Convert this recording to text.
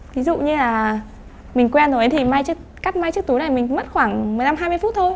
ví dụ như là mình quen rồi thì may cắt may chiếc túi này mình mất khoảng một mươi năm hai mươi phút thôi